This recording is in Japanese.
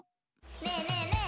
「ねえ？ねえ？ねえ？」